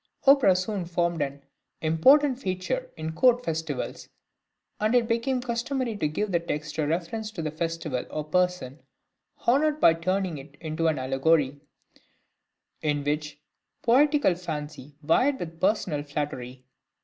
Opera soon formed an important feature in court festivals, and it became customary to give the text a reference to the festival or person honoured by turning it into an allegory, in which poetical fancy vied with personal flattery.